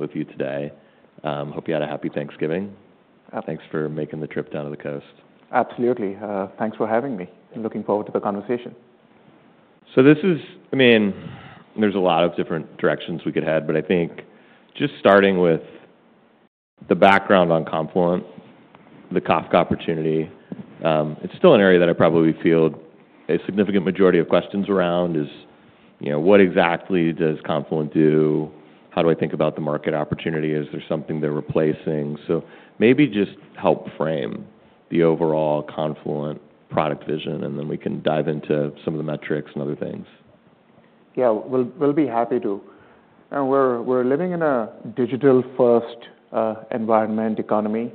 With you today. Hope you had a happy Thanksgiving. Ab— Thanks for making the trip down to the coast. Absolutely. Thanks for having me. I'm looking forward to the conversation. So this is, I mean, there's a lot of different directions we could head, but I think just starting with the background on Confluent, the Kafka opportunity, it's still an area that I probably field a significant majority of questions around is, you know, what exactly does Confluent do? How do I think about the market opportunity? Is there something they're replacing? So maybe just help frame the overall Confluent product vision, and then we can dive into some of the metrics and other things. Yeah, we'll be happy to. And we're living in a digital-first environment economy.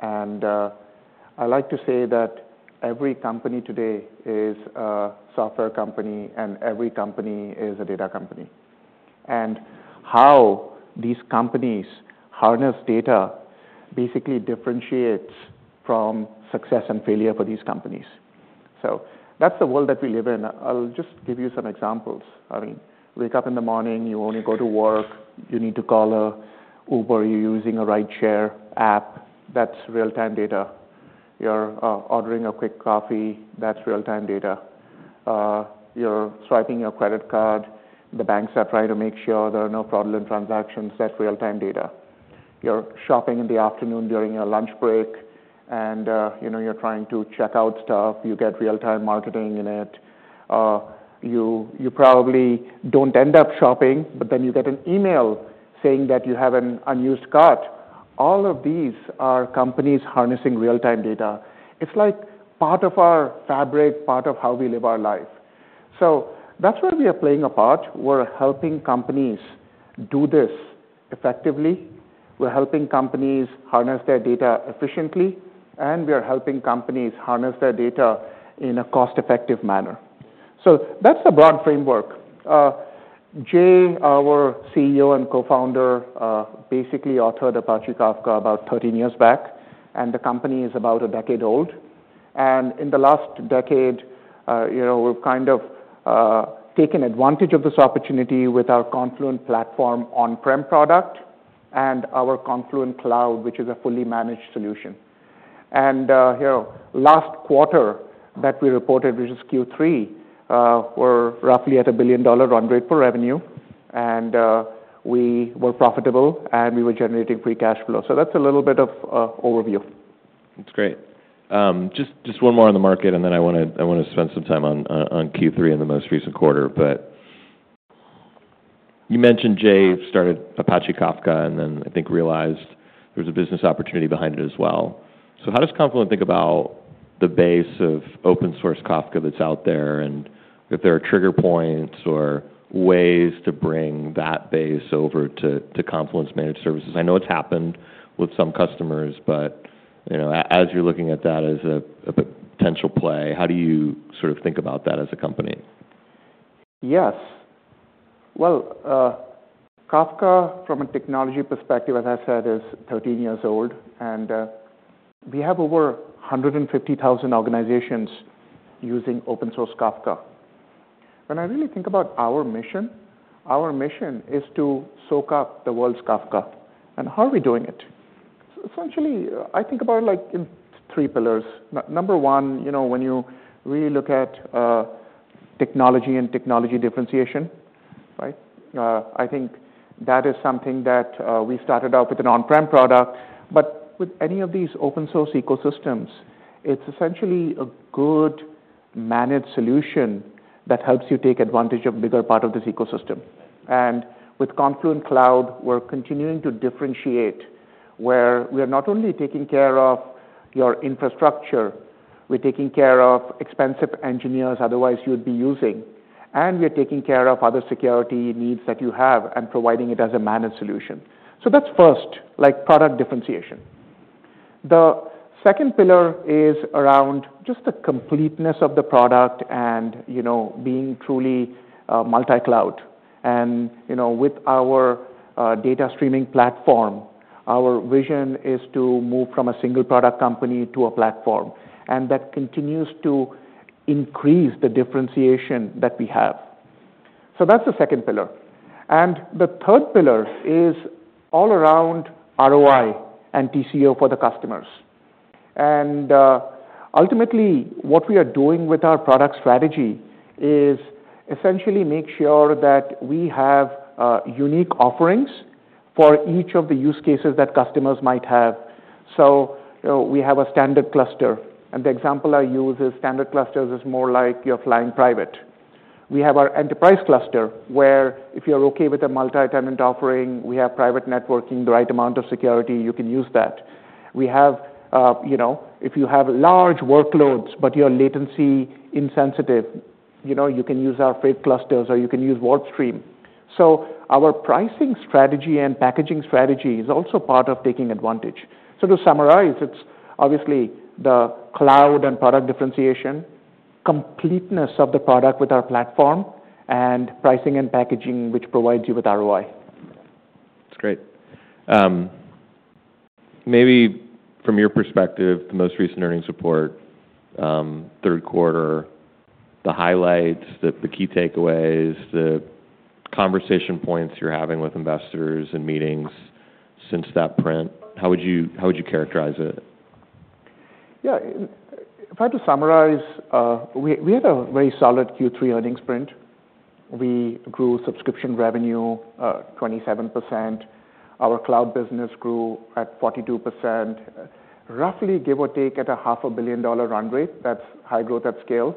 And I like to say that every company today is a software company, and every company is a data company. And how these companies harness data basically differentiates from success and failure for these companies. So that's the world that we live in. I'll just give you some examples. I mean, wake up in the morning, you only go to work, you need to call an Uber, you're using a rideshare app, that's real-time data. You're ordering a quick coffee, that's real-time data. You're swiping your credit card, the banks are trying to make sure there are no fraudulent transactions, that's real-time data. You're shopping in the afternoon during your lunch break, and you know, you're trying to check out stuff, you get real-time marketing in it. You probably don't end up shopping, but then you get an email saying that you have an unused cart. All of these are companies harnessing real-time data. It's like part of our fabric, part of how we live our life. So that's where we are playing a part. We're helping companies do this effectively. We're helping companies harness their data efficiently, and we are helping companies harness their data in a cost-effective manner. So that's the broad framework. Jay, our CEO and co-founder, basically authored Apache Kafka about 13 years back, and the company is about a decade old and in the last decade, you know, we've kind of taken advantage of this opportunity with our Confluent Platform on-prem product and our Confluent Cloud, which is a fully managed solution. You know, last quarter that we reported, which is Q3, we're roughly at a $1 billion-dollar run rate for revenue, and we were profitable, and we were generating free cash flow, so that's a little bit of overview. That's great. Just one more on the market, and then I wanna spend some time on Q3 in the most recent quarter, but you mentioned Jay started Apache Kafka and then I think realized there's a business opportunity behind it as well. So how does Confluent think about the base of open-source Kafka that's out there and if there are trigger points or ways to bring that base over to Confluent-managed services? I know it's happened with some customers, but you know, as you're looking at that as a potential play, how do you sort of think about that as a company? Yes, well, Kafka from a technology perspective, as I said, is 13 years old, and we have over 150,000 organizations using open-source Kafka. When I really think about our mission, our mission is to soak up the world's Kafka. And how are we doing it? Essentially, I think about it like in three pillars. Number one, you know, when you really look at technology and technology differentiation, right? I think that is something that we started out with an on-prem product, but with any of these open-source ecosystems, it's essentially a good managed solution that helps you take advantage of a bigger part of this ecosystem. And with Confluent Cloud, we're continuing to differentiate where we are not only taking care of your infrastructure, we're taking care of expensive engineers otherwise you'd be using, and we're taking care of other security needs that you have and providing it as a managed solution. So that's first, like product differentiation. The second pillar is around just the completeness of the product and, you know, being truly, multi-cloud. And, you know, with our, data streaming platform, our vision is to move from a single product company to a platform, and that continues to increase the differentiation that we have. So that's the second pillar. And the third pillar is all around ROI and TCO for the customers. And, ultimately, what we are doing with our product strategy is essentially make sure that we have, unique offerings for each of the use cases that customers might have. So, you know, we have a Standard cluster, and the example I use is Standard clusters is more like you're flying private. We have our Enterprise cluster where if you're okay with a multi-tenant offering, we have private networking, the right amount of security, you can use that. We have, you know, if you have large workloads but you're latency insensitive, you know, you can use our Freight clusters or you can use WarpStream. So our pricing strategy and packaging strategy is also part of taking advantage. So to summarize, it's obviously the cloud and product differentiation, completeness of the product with our platform, and pricing and packaging which provides you with ROI. That's great. Maybe from your perspective, the most recent earnings report, third quarter, the highlights, the key takeaways, the conversation points you're having with investors and meetings since that print, how would you characterize it? Yeah. If I have to summarize, we had a very solid Q3 earnings print. We grew subscription revenue 27%. Our cloud business grew at 42%, roughly give or take at a $500 million run rate. That's high growth at scale.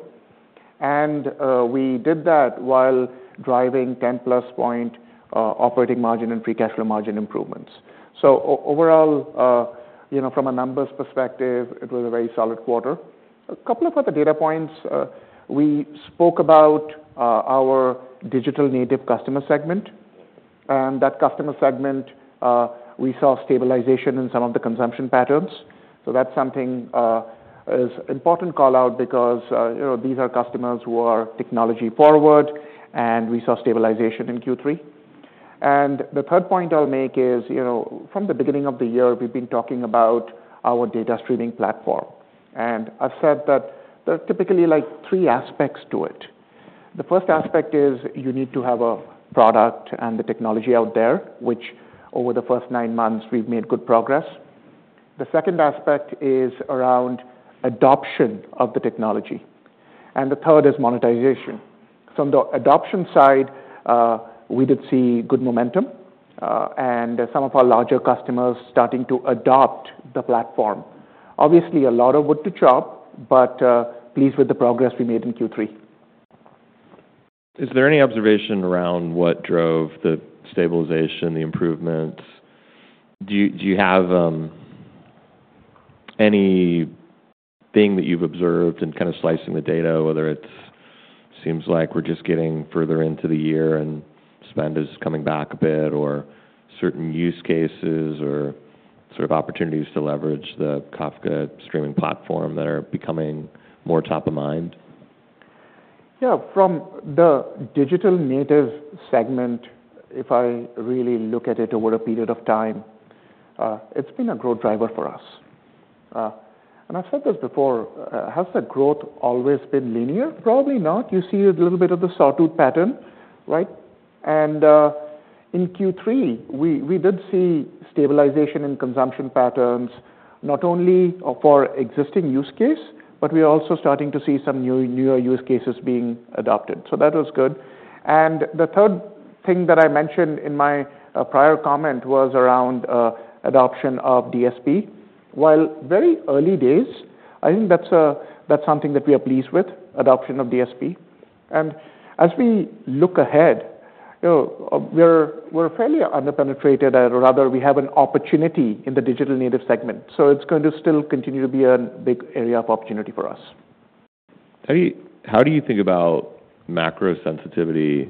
And we did that while driving 10+ point operating margin and free cash flow margin improvements. So overall, you know, from a numbers perspective, it was a very solid quarter. A couple of other data points we spoke about, our digital native customer segment, and that customer segment, we saw stabilization in some of the consumption patterns. So that's something is important callout because, you know, these are customers who are technology forward, and we saw stabilization in Q3. And the third point I'll make is, you know, from the beginning of the year, we've been talking about our data streaming platform. I've said that there are typically like three aspects to it. The first aspect is you need to have a product and the technology out there, which over the first nine months we've made good progress. The second aspect is around adoption of the technology. And the third is monetization. From the adoption side, we did see good momentum, and some of our larger customers starting to adopt the platform. Obviously, a lot of wood to chop, but pleased with the progress we made in Q3. Is there any observation around what drove the stabilization, the improvements? Do you have anything that you've observed in kind of slicing the data, whether it seems like we're just getting further into the year and spend is coming back a bit or certain use cases or sort of opportunities to leverage the Kafka streaming platform that are becoming more top of mind? Yeah. From the digital native segment, if I really look at it over a period of time, it's been a growth driver for us. And I've said this before, has the growth always been linear? Probably not. You see a little bit of the sawtooth pattern, right? And in Q3, we did see stabilization in consumption patterns, not only for existing use case, but we are also starting to see some new, newer use cases being adopted. So that was good. And the third thing that I mentioned in my prior comment was around adoption of DSP. While very early days, I think that's something that we are pleased with, adoption of DSP. And as we look ahead, you know, we're fairly underpenetrated, or rather we have an opportunity in the digital native segment. It's going to still continue to be a big area of opportunity for us. How do you think about macro-sensitivity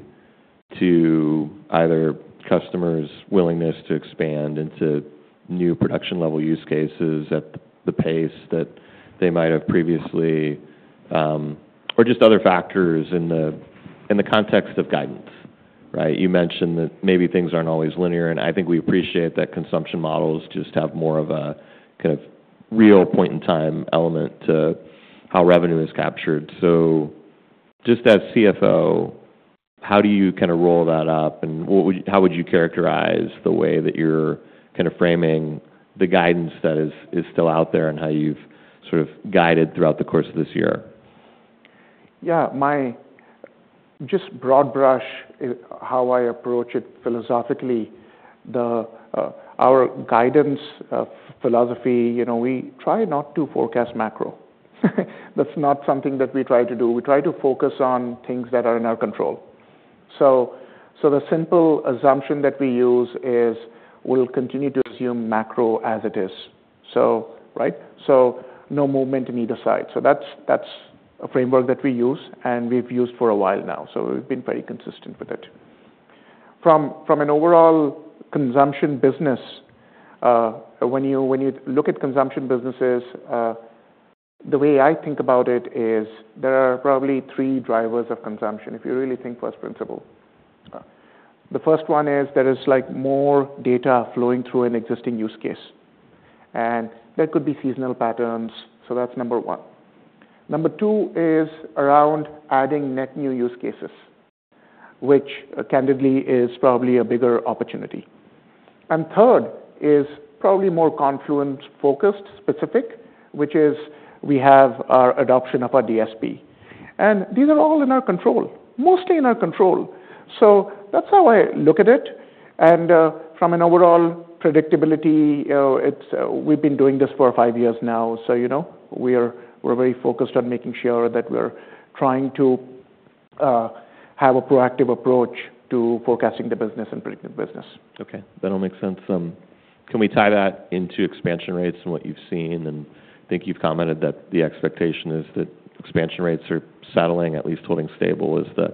to either customers' willingness to expand into new production-level use cases at the pace that they might have previously, or just other factors in the context of guidance, right? You mentioned that maybe things aren't always linear, and I think we appreciate that consumption models just have more of a kind of real point-in-time element to how revenue is captured. So just as CFO, how do you kind of roll that up, and how would you characterize the way that you're kind of framing the guidance that is still out there and how you've sort of guided throughout the course of this year? Yeah. My just broad brush, how I approach it philosophically, our guidance philosophy, you know, we try not to forecast macro. That's not something that we try to do. We try to focus on things that are in our control, so the simple assumption that we use is we'll continue to assume macro as it is, so right? So no movement in either side, so that's a framework that we use, and we've used for a while now. So we've been very consistent with it. From an overall consumption business, when you look at consumption businesses, the way I think about it is there are probably three drivers of consumption if you really think first principles. The first one is there is like more data flowing through an existing use case, and there could be seasonal patterns. So that's number one. Number two is around adding net new use cases, which, candidly is probably a bigger opportunity. And third is probably more Confluent-focused, specific, which is we have our adoption of our DSP. And these are all in our control, mostly in our control. So that's how I look at it. And, from an overall predictability, you know, it's, we've been doing this for five years now. So, you know, we're very focused on making sure that we're trying to, have a proactive approach to forecasting the business and predicting the business. Okay. That all makes sense. Can we tie that into expansion rates and what you've seen? And I think you've commented that the expectation is that expansion rates are settling, at least holding stable is the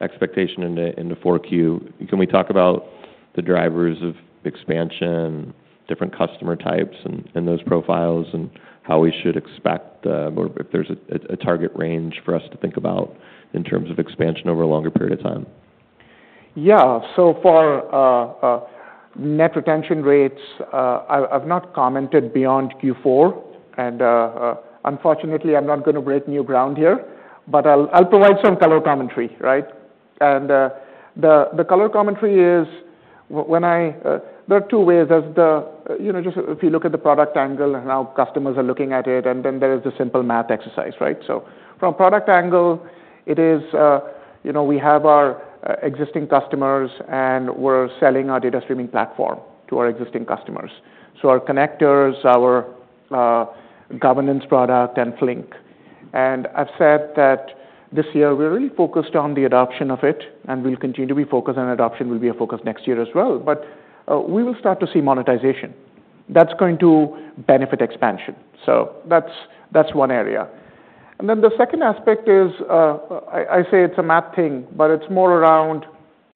expectation in the 4Q. Can we talk about the drivers of expansion, different customer types and those profiles, and how we should expect the or if there's a target range for us to think about in terms of expansion over a longer period of time? Yeah. So far, net retention rates, I've not commented beyond Q4, and unfortunately, I'm not gonna break new ground here, but I'll provide some color commentary, right? The color commentary is when I, there are two ways. There's the, you know, just if you look at the product angle and how customers are looking at it, and then there is the simple math exercise, right? So from a product angle, it is, you know, we have our existing customers, and we're selling our data streaming platform to our existing customers. So our connectors, our governance product, and Flink. And I've said that this year we're really focused on the adoption of it, and we'll continue to be focused on adoption. We'll be focused next year as well, but we will start to see monetization. That's going to benefit expansion, so that's one area. Then the second aspect is. I say it's a math thing, but it's more around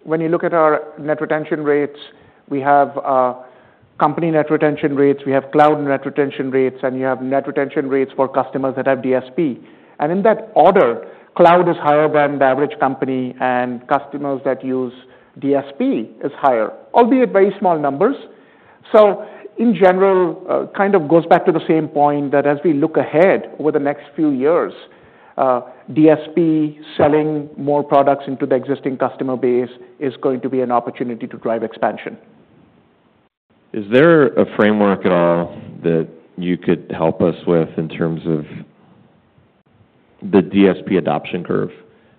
when you look at our net retention rates. We have company net retention rates, we have cloud net retention rates, and you have net retention rates for customers that have DSP. In that order, cloud is higher than the average company, and customers that use DSP is higher, albeit very small numbers. In general, it kind of goes back to the same point that as we look ahead over the next few years, DSP selling more products into the existing customer base is going to be an opportunity to drive expansion. Is there a framework at all that you could help us with in terms of the DSP adoption curve?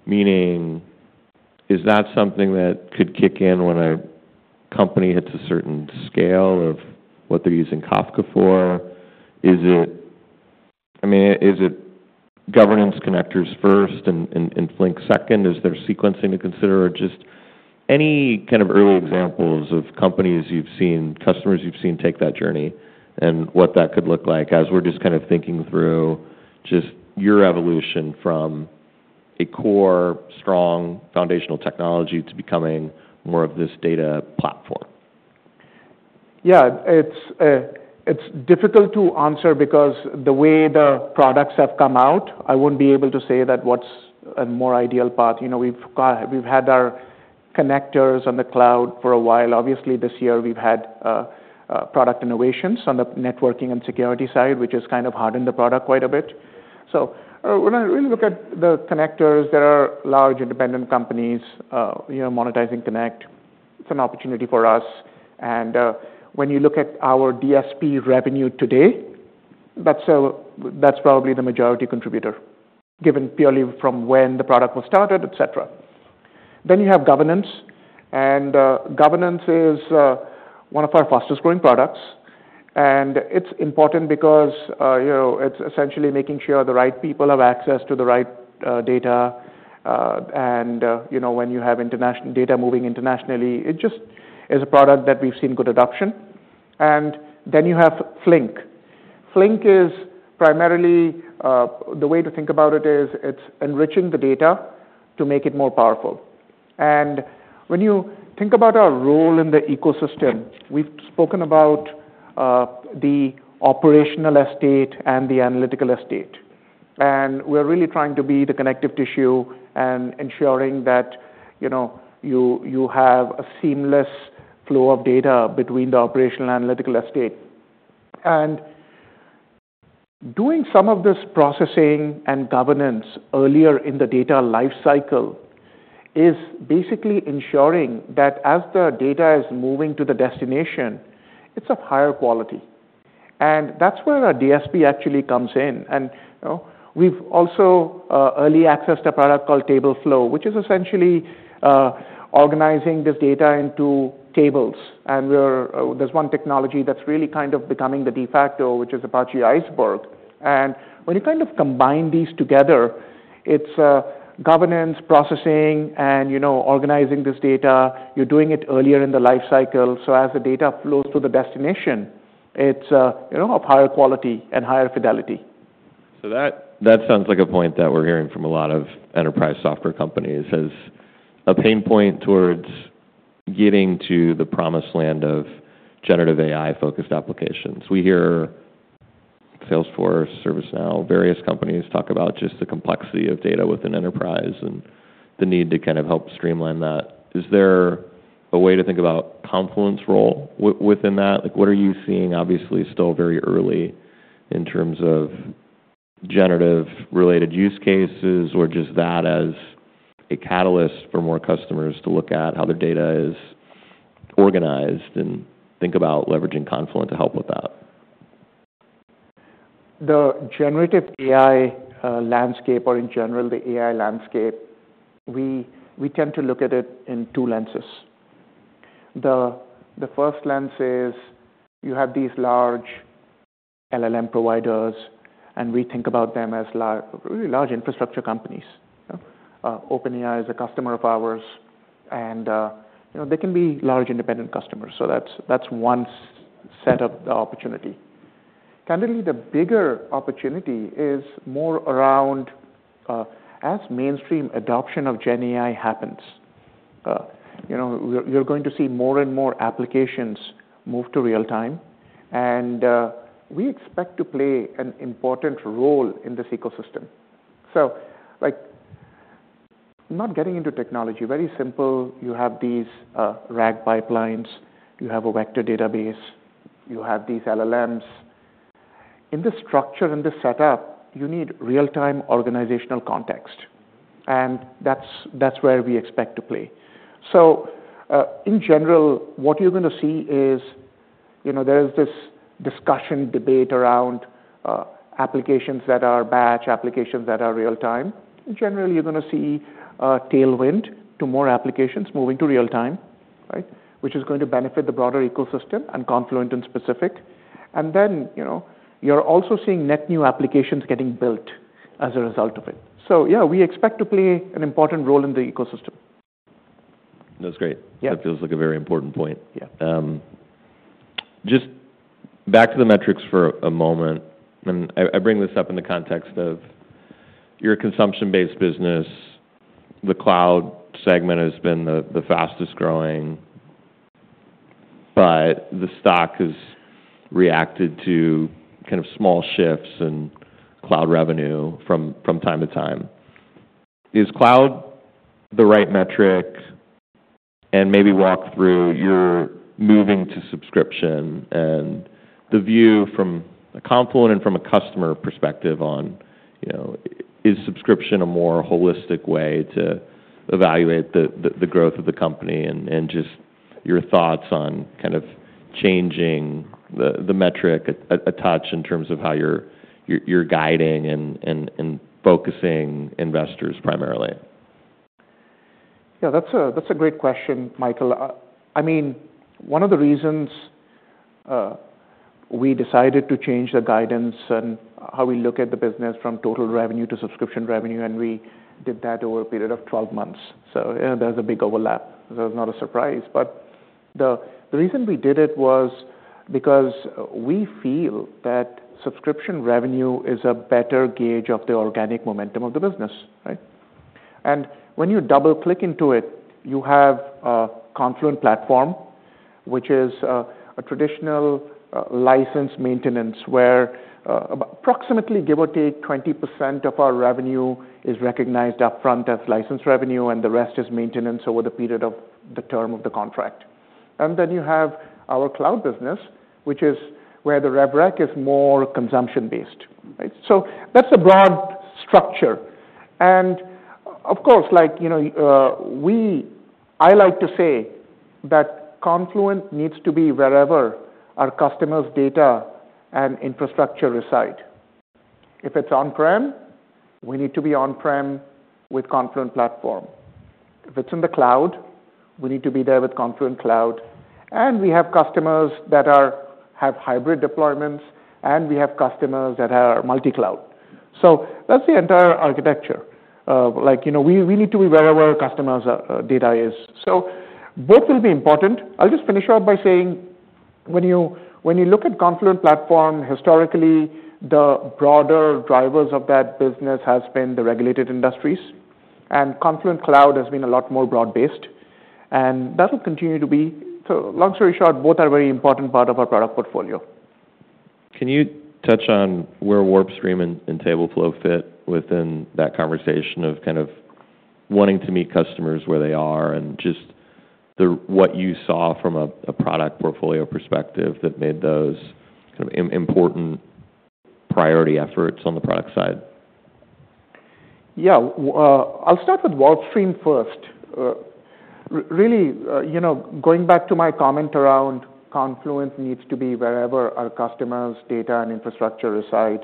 Meaning, is that something that could kick in when a company hits a certain scale of what they're using Kafka for? Is it I mean, is it governance connectors first and Flink second? Is there sequencing to consider or just any kind of early examples of companies you've seen, customers you've seen take that journey and what that could look like as we're just kind of thinking through just your evolution from a core, strong, foundational technology to becoming more of this data platform? Yeah. It's difficult to answer because the way the products have come out, I wouldn't be able to say that what's a more ideal path. You know, we've had our connectors on the cloud for a while. Obviously, this year we've had product innovations on the networking and security side, which has kind of hardened the product quite a bit. So, when I really look at the connectors, there are large independent companies, you know, monetizing Connect. It's an opportunity for us. And, when you look at our DSP revenue today, that's probably the majority contributor given purely from when the product was started, etc. Then you have governance. And, governance is one of our fastest-growing products. And it's important because, you know, it's essentially making sure the right people have access to the right data. And, you know, when you have international data moving internationally, it just is a product that we've seen good adoption. And then you have Flink. Flink is primarily, the way to think about it is it's enriching the data to make it more powerful. And when you think about our role in the ecosystem, we've spoken about, the operational estate and the analytical estate. And we're really trying to be the connective tissue and ensuring that, you know, you have a seamless flow of data between the operational and analytical estate. And doing some of this processing and governance earlier in the data lifecycle is basically ensuring that as the data is moving to the destination, it's of higher quality. And that's where our DSP actually comes in. And, you know, we've also, early accessed a product called TableFlow, which is essentially, organizing this data into tables. And we're. There's one technology that's really kind of becoming the de facto, which is Apache Iceberg. And when you kind of combine these together, it's governance, processing, and, you know, organizing this data. You're doing it earlier in the lifecycle. So as the data flows to the destination, it's, you know, of higher quality and higher fidelity. So that sounds like a point that we're hearing from a lot of enterprise software companies as a pain point towards getting to the promised land of generative AI-focused applications. We hear Salesforce, ServiceNow, various companies talk about just the complexity of data within enterprise and the need to kind of help streamline that. Is there a way to think about Confluent's role with, within that? Like, what are you seeing, obviously, still very early in terms of generative-related use cases or just that as a catalyst for more customers to look at how their data is organized and think about leveraging Confluent to help with that? The generative AI landscape, or in general, the AI landscape, we tend to look at it in two lenses. The first lens is you have these large LLM providers, and we think about them as a really large infrastructure companies. OpenAI is a customer of ours, and, you know, they can be large independent customers. So that's one set of the opportunity. Candidly, the bigger opportunity is more around, as mainstream adoption of GenAI happens, you know, you're going to see more and more applications move to real-time. And we expect to play an important role in this ecosystem. So, like, not getting into technology, very simple. You have these RAG pipelines. You have a vector database. You have these LLMs. In the structure and the setup, you need real-time organizational context. And that's where we expect to play. In general, what you're gonna see is, you know, there is this discussion, debate around applications that are batch, applications that are real-time. Generally, you're gonna see tailwind to more applications moving to real-time, right, which is going to benefit the broader ecosystem and Confluent in specific. Then, you know, you're also seeing net new applications getting built as a result of it. Yeah, we expect to play an important role in the ecosystem. That's great. Yeah. That feels like a very important point. Yeah. Just back to the metrics for a moment. And I bring this up in the context of your consumption-based business. The cloud segment has been the fastest-growing, but the stock has reacted to kind of small shifts in cloud revenue from time to time. Is cloud the right metric? And maybe walk through your moving to subscription and the view from Confluent and from a customer perspective on, you know, is subscription a more holistic way to evaluate the growth of the company and just your thoughts on kind of changing the metric at a touch in terms of how you're guiding and focusing investors primarily? Yeah. That's a great question, Michael. I mean, one of the reasons we decided to change the guidance and how we look at the business from total revenue to subscription revenue, and we did that over a period of 12 months. So, you know, there's a big overlap. So it's not a surprise. But the reason we did it was because we feel that subscription revenue is a better gauge of the organic momentum of the business, right? And when you double-click into it, you have a Confluent Platform, which is a traditional license maintenance where, approximately, give or take, 20% of our revenue is recognized upfront as license revenue, and the rest is maintenance over the period of the term of the contract. And then you have our cloud business, which is where the rubber meets the road more consumption-based, right? So that's a broad structure. Of course, like, you know, we, I like to say that Confluent needs to be wherever our customers' data and infrastructure reside. If it's on-prem, we need to be on-prem with Confluent Platform. If it's in the cloud, we need to be there with Confluent Cloud. We have customers that have hybrid deployments, and we have customers that are multi-cloud. That's the entire architecture. Like, you know, we need to be wherever our customers' data is. Both will be important. I'll just finish off by saying when you look at Confluent Platform, historically, the broader drivers of that business have been the regulated industries, and Confluent Cloud has been a lot more broad-based. That'll continue to be. Long story short, both are a very important part of our product portfolio. Can you touch on where WarpStream and TableFlow fit within that conversation of kind of wanting to meet customers where they are and just what you saw from a product portfolio perspective that made those kind of important priority efforts on the product side? Yeah. Well, I'll start with WarpStream first. Really, you know, going back to my comment around Confluent needs to be wherever our customers' data and infrastructure reside.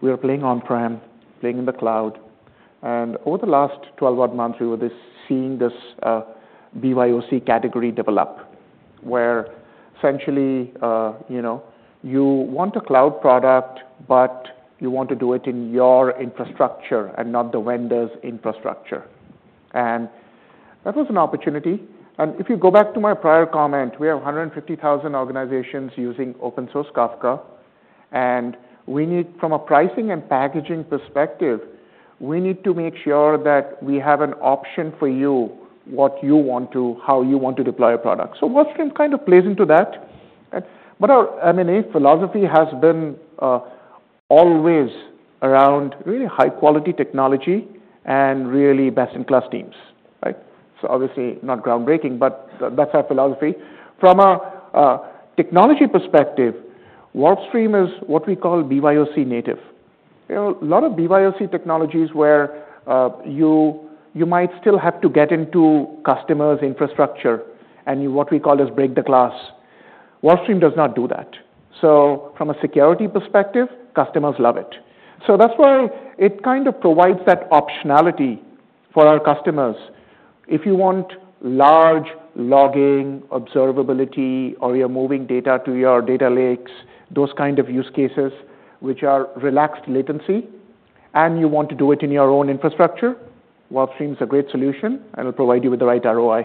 We are playing on-prem, playing in the cloud. And over the last 12-odd months, we were just seeing this BYOC category develop where essentially, you know, you want a cloud product, but you want to do it in your infrastructure and not the vendor's infrastructure. And that was an opportunity. And if you go back to my prior comment, we have 150,000 organizations using open-source Kafka. And we need from a pricing and packaging perspective, we need to make sure that we have an option for you what you want to how you want to deploy a product. So WarpStream kind of plays into that. Right? But our M&A philosophy has been always around really high-quality technology and really best-in-class teams, right? So obviously, not groundbreaking, but that's our philosophy. From a technology perspective, WarpStream is what we call BYOC native. You know, a lot of BYOC technologies where you might still have to get into customers' infrastructure and what we call break the glass. WarpStream does not do that. So from a security perspective, customers love it. So that's why it kind of provides that optionality for our customers. If you want large logging, observability, or you're moving data to your data lakes, those kind of use cases which are relaxed latency, and you want to do it in your own infrastructure, WarpStream's a great solution and will provide you with the right ROI.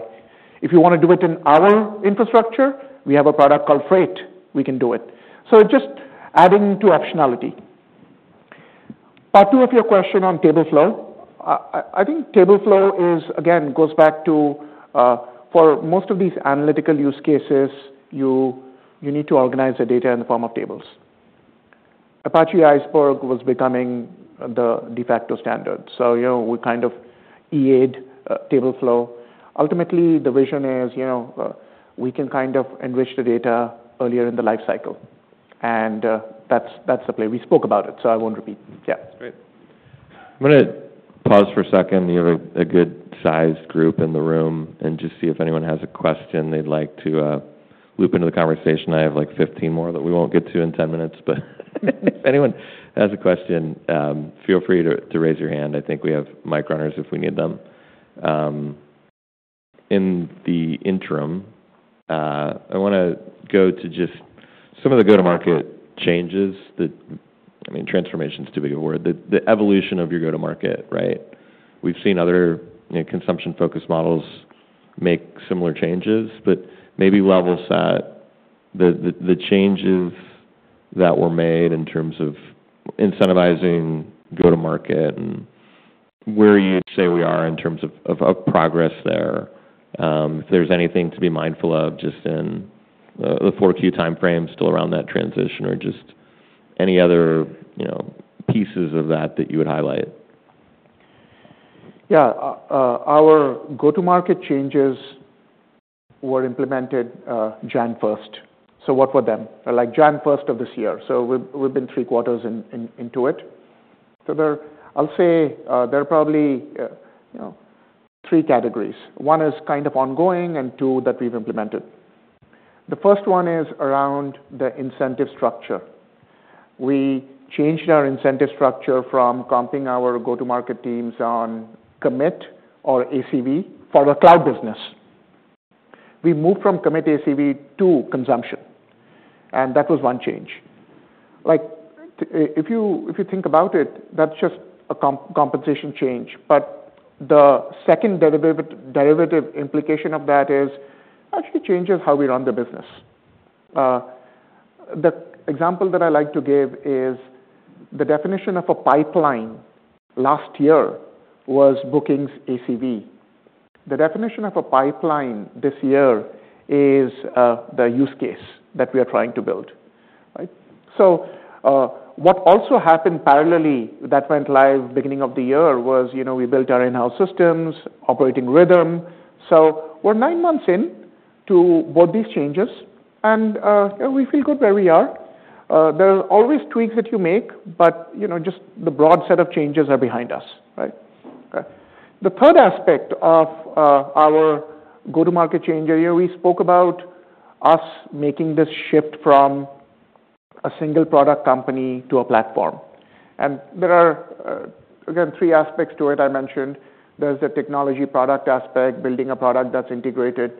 If you wanna do it in our infrastructure, we have a product called Freight. We can do it. So just adding to optionality. Part two of your question on TableFlow. I think TableFlow again goes back to, for most of these analytical use cases, you need to organize the data in the form of tables. Apache Iceberg was becoming the de facto standard. So, you know, we kind of EA'd TableFlow. Ultimately, the vision is, you know, we can kind of enrich the data earlier in the lifecycle. And that's the play. We spoke about it, so I won't repeat. Yeah. Great. I'm gonna pause for a second. You have a good-sized group in the room and just see if anyone has a question they'd like to loop into the conversation. I have like 15 more that we won't get to in 10 minutes. But if anyone has a question, feel free to raise your hand. I think we have mic runners if we need them. In the interim, I wanna go to just some of the go-to-market changes that I mean, transformation's too big a word. The evolution of your go-to-market, right? We've seen other, you know, consumption-focused models make similar changes, but maybe level set the changes that were made in terms of incentivizing go-to-market and where you'd say we are in terms of progress there. If there's anything to be mindful of just in the Q4 timeframe still around that transition or just any other, you know, pieces of that that you would highlight? Yeah. Our go-to-market changes were implemented January 1st. So what were them? Like, January 1st of this year. So we've been three quarters into it. So there are probably, you know, three categories. One is kind of ongoing and two that we've implemented. The first one is around the incentive structure. We changed our incentive structure from comping our go-to-market teams on commit or ACV for the cloud business. We moved from commit ACV to consumption. And that was one change. Like, if you think about it, that's just a compensation change. But the second derivative implication of that is actually changes how we run the business. The example that I like to give is the definition of a pipeline last year was bookings ACV. The definition of a pipeline this year is the use case that we are trying to build, right? So, what also happened parallelly that went live beginning of the year was, you know, we built our in-house systems operating rhythm. So we're nine months in to both these changes. And, you know, we feel good where we are. There are always tweaks that you make, but, you know, just the broad set of changes are behind us, right? Okay. The third aspect of our go-to-market change area, we spoke about us making this shift from a single product company to a platform. And there are, again, three aspects to it I mentioned. There's the technology product aspect, building a product that's integrated.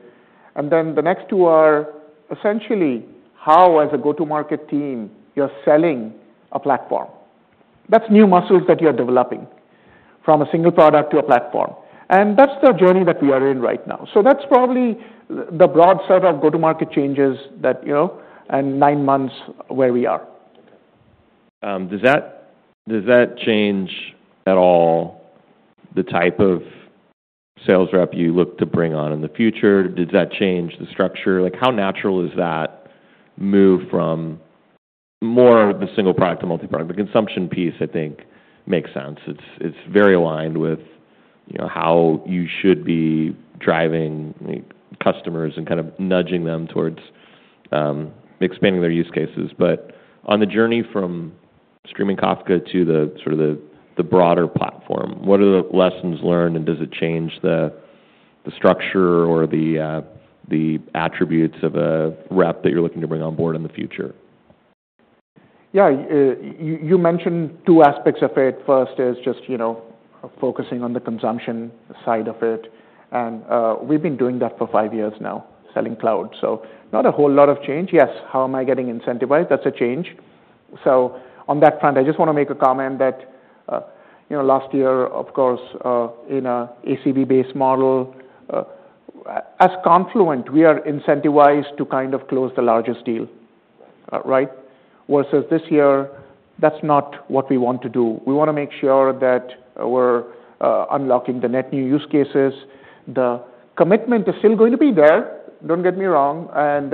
And then the next two are essentially how, as a go-to-market team, you're selling a platform. That's new muscles that you're developing from a single product to a platform, and that's the journey that we are in right now, so that's probably the broad set of go-to-market changes that, you know, and nine months where we are. Okay. Does that change at all the type of sales rep you look to bring on in the future? Did that change the structure? Like, how natural is that move from more of the single product to multi-product? The consumption piece, I think, makes sense. It's very aligned with, you know, how you should be driving, like, customers and kind of nudging them towards expanding their use cases. But on the journey from streaming Kafka to sort of the broader platform, what are the lessons learned and does it change the structure or the attributes of a rep that you're looking to bring on board in the future? Yeah. You mentioned two aspects of it. First is just, you know, focusing on the consumption side of it. And we've been doing that for five years now, selling cloud. So not a whole lot of change. Yes, how am I getting incentivized? That's a change. So on that front, I just wanna make a comment that, you know, last year, of course, in a ACV-based model, as Confluent, we are incentivized to kind of close the largest deal, right? Versus this year, that's not what we want to do. We wanna make sure that we're unlocking the net new use cases. The commitment is still going to be there, don't get me wrong. And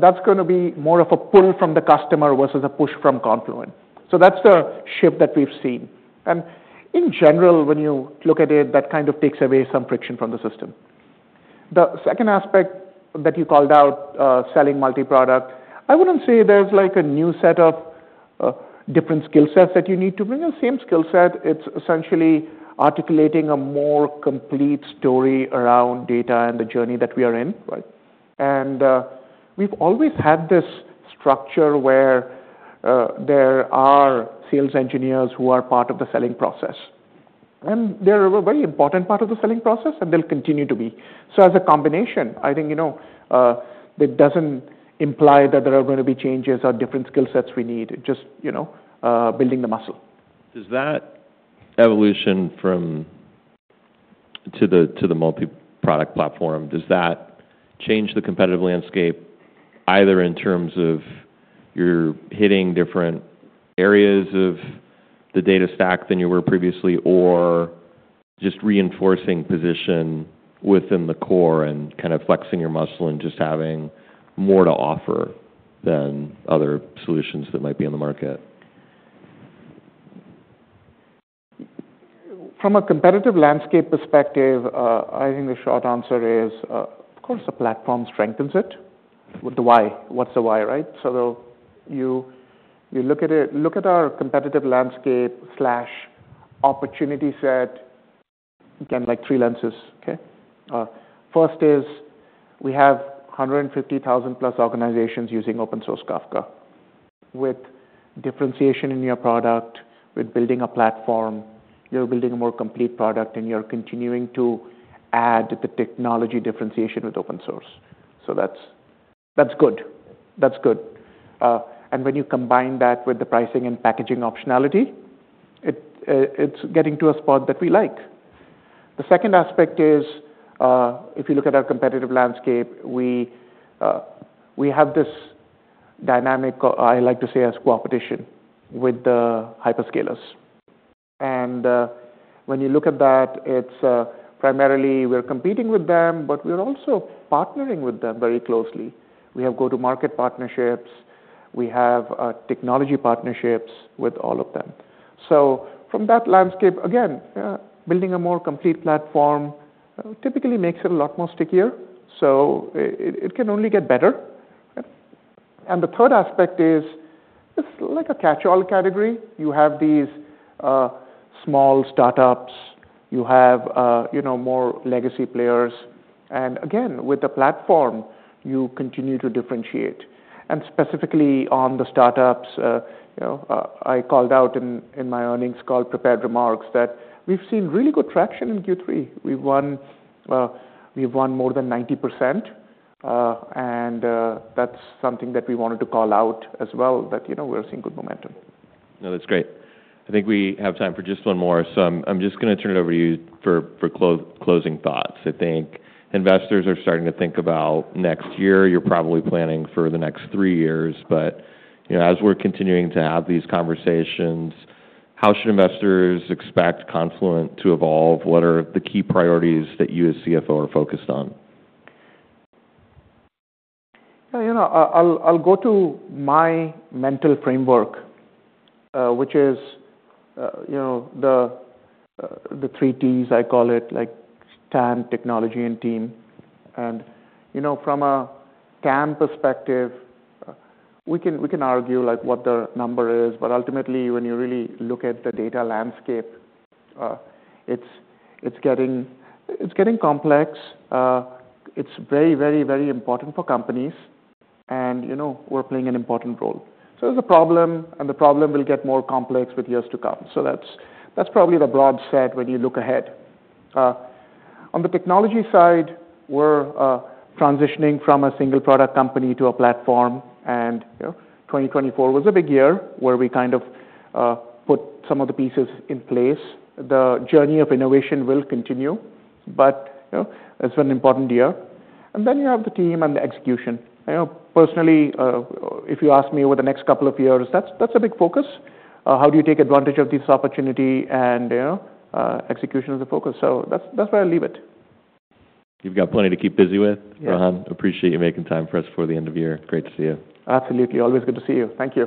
that's gonna be more of a pull from the customer versus a push from Confluent. So that's the shift that we've seen. In general, when you look at it, that kind of takes away some friction from the system. The second aspect that you called out, selling multi-product, I wouldn't say there's like a new set of different skill sets that you need to bring. It's the same skill set. It's essentially articulating a more complete story around data and the journey that we are in, right? We've always had this structure where there are sales engineers who are part of the selling process. They're a very important part of the selling process, and they'll continue to be. As a combination, I think, you know, that doesn't imply that there are gonna be changes or different skill sets we need. It just, you know, building the muscle. Does that evolution to the multi-product platform, does that change the competitive landscape either in terms of you're hitting different areas of the data stack than you were previously or just reinforcing position within the core and kind of flexing your muscle and just having more to offer than other solutions that might be in the market? From a competitive landscape perspective, I think the short answer is, of course, the platform strengthens it. The why? What's the why, right? So you look at our competitive landscape/opportunity set, again, like three lenses, okay? First is we have 150,000-plus organizations using open-source Kafka. With differentiation in your product, with building a platform, you're building a more complete product, and you're continuing to add the technology differentiation with open-source. So that's good, and when you combine that with the pricing and packaging optionality, it's getting to a spot that we like. The second aspect is, if you look at our competitive landscape, we have this dynamic, I like to say, a coopetition with the hyperscalers. When you look at that, it's primarily we're competing with them, but we're also partnering with them very closely. We have go-to-market partnerships. We have technology partnerships with all of them. So from that landscape, again, building a more complete platform, typically makes it a lot more stickier. So it, it can only get better. And the third aspect is it's like a catch-all category. You have these small startups. You have, you know, more legacy players. And again, with the platform, you continue to differentiate. And specifically on the startups, you know, I called out in my earnings call prepared remarks that we've seen really good traction in Q3. We've won, we've won more than 90%. And that's something that we wanted to call out as well that, you know, we're seeing good momentum. No, that's great. I think we have time for just one more. So I'm just gonna turn it over to you for closing thoughts. I think investors are starting to think about next year. You're probably planning for the next three years. But, you know, as we're continuing to have these conversations, how should investors expect Confluent to evolve? What are the key priorities that you as CFO are focused on? Yeah. You know, I'll go to my mental framework, which is, you know, the three Ts, I call it, like TAM, technology, and team. You know, from a TAM perspective, we can argue like what the number is. But ultimately, when you really look at the data landscape, it's getting complex. It's very, very, very important for companies. You know, we're playing an important role. So there's a problem, and the problem will get more complex with years to come. That's probably the broad set when you look ahead. On the technology side, we're transitioning from a single product company to a platform. You know, 2024 was a big year where we kind of put some of the pieces in place. The journey of innovation will continue, but you know, it's been an important year. You have the team and the execution. You know, personally, if you ask me over the next couple of years, that's a big focus. How do you take advantage of this opportunity and, you know, execution of the focus? That's where I'll leave it. You've got plenty to keep busy with. Yeah. Rohan, appreciate you making time for us before the end of year. Great to see you. Absolutely. Always good to see you. Thank you.